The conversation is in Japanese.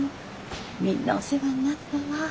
みんなお世話になったわ。